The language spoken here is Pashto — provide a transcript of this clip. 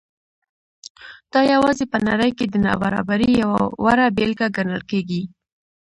دا یوازې په نړۍ کې د نابرابرۍ یوه وړه بېلګه ګڼل کېږي.